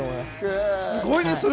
すごいね。